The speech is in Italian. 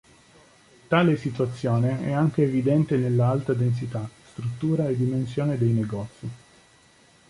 Tale situazione è anche evidente nella alta densità, struttura e dimensione dei negozi.